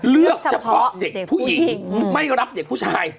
เลือกเฉพาะเด็กผู้หญิงไม่รับเด็กผู้ชาย